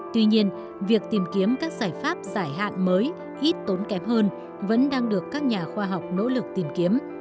tuy nhiên việc tìm kiếm các giải pháp giải hạn mới ít tốn kém hơn vẫn đang được các nhà khoa học nỗ lực tìm kiếm